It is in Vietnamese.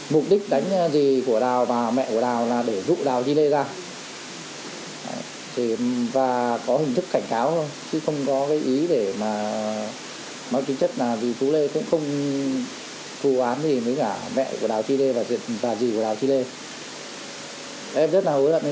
mục đích đánh gì của đào và mẹ của đào là để rụ đào chi lê ra